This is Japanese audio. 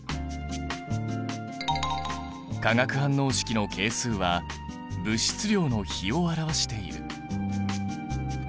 化学反応式の係数は物質量の比を表している。